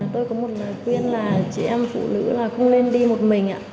tôi có một quyền là chị em phụ nữ không nên đi một mình